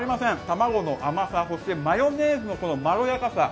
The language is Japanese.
卵の甘さ、マヨネーズのまろやかさ